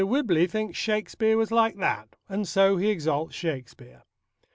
Whibley thinks Shakespeare was like that, and so he exalts Shakespeare.